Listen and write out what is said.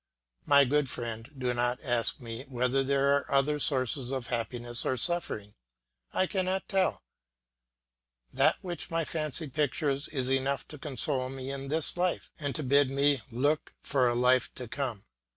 My good friend, do not ask me whether there are other sources of happiness or suffering; I cannot tell; that which my fancy pictures is enough to console me in this life and to bid me look for a life to come.